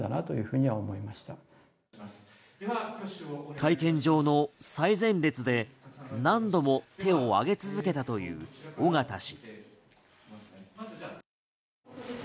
会見場の最前列で何度も手を上げ続けたという尾形氏。